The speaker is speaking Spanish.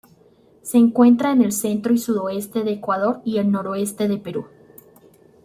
Se encuentra en el centro y sudoeste de Ecuador y el noroeste de Perú.